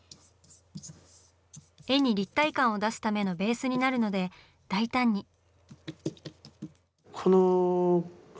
絵に立体感を出すためのベースになるので大胆に。